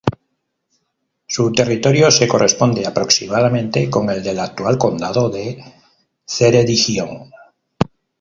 Su territorio se corresponde, aproximadamente, con el del actual condado de Ceredigion.